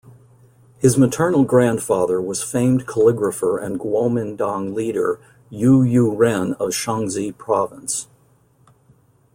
His maternal grandfather was famed calligrapher and Kuomingtang leader Yu You-ren of Shaanxi Province.